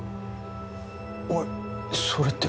おいそれって。